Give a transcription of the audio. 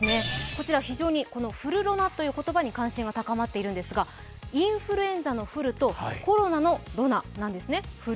こちらフルロナという言葉に関心が高まっているんですがインフルエンザのフルとコロナのロナなんですね。